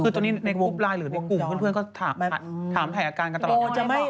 คือตอนนี้ในกรุ๊ปไลน์หรือในกลุ่มเพื่อนก็ถามถ่ายอาการกันตลอด